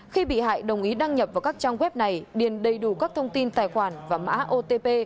khi bị hại đồng ý đăng nhập vào các trang web này điền đầy đủ các thông tin tài khoản và mã otp